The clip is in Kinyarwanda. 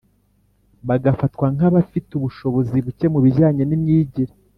bagafatwa nk’abafite ubushobozi buke mu bijyanye n’imyigire.